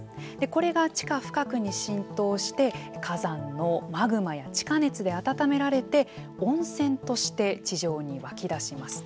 これが地下深くに浸透して火山のマグマや地下熱で温められて温泉として地上に湧き出します。